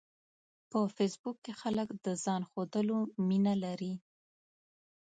په فېسبوک کې خلک د ځان ښودلو مینه لري